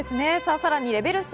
さらにレベル３。